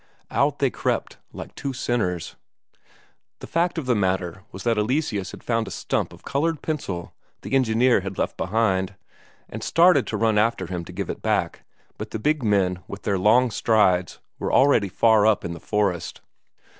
Out they crept now like two sinners. The fact of the matter was that Eleseus had found a stump of coloured pencil the engineer had left behind, and started to run after him and give it back, but the big men with their long strides were already far up in the forest.